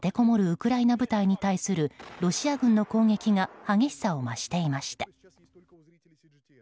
ウクライナ部隊に対するロシア軍の攻撃が激しさを増していました。